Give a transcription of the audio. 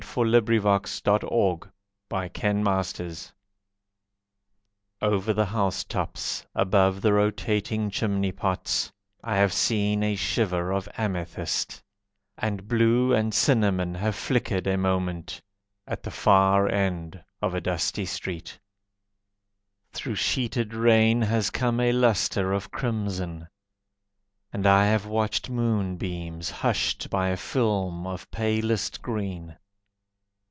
SWORD BLADES The Captured Goddess Over the housetops, Above the rotating chimney pots, I have seen a shiver of amethyst, And blue and cinnamon have flickered A moment, At the far end of a dusty street. Through sheeted rain Has come a lustre of crimson, And I have watched moonbeams Hushed by a film of palest green.